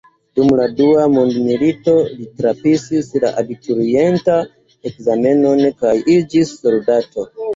Dum la Dua mondmilito li trapasis la abiturientan ekzamenon kaj iĝis soldato.